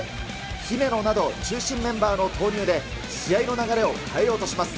姫野など、中心メンバーの投入で、試合の流れを変えようとします。